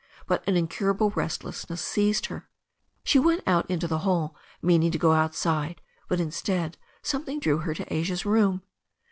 But an incurable restlessness seized her. She went out into the hall, meaning to go out side, but instead something drew her to Asia's room.